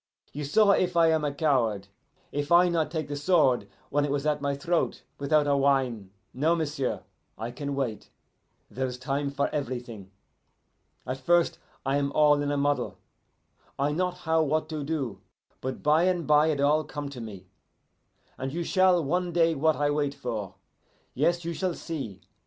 You saw if I am coward if I not take the sword when it was at my throat without a whine. No, m'sieu', I can wait. Then is a time for everything. At first I am all in a muddle, I not how what to do; but by and bye it all come to me, and you shall one day what I wait for. Yes, you shall see.